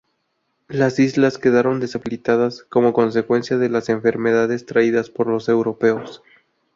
Las islas quedaron deshabitadas como consecuencia de las enfermedades traídas por los europeos.